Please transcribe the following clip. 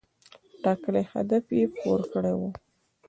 ټاکلی هدف یې پوره کړی و.